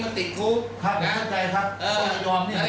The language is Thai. ทั้งสุดทั้งสบาย